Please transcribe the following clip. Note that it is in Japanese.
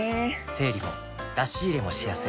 整理も出し入れもしやすい